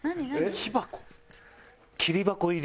木箱？